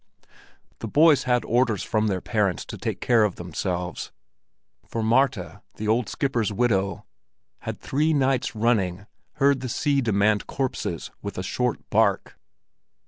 The boys had orders from their parents to take care of themselves, for Marta, the old skipper's widow, had three nights running heard the sea demand corpses with a short bark.